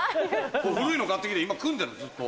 古いの買って来て今組んでんのずっと。